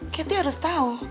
katie harus tau